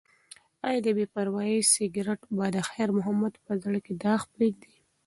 ایا د بې پروایۍ سګرټ به د خیر محمد په زړه کې داغ پریږدي؟